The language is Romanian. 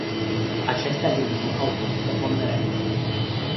Acestea din urmă au fost preponderente.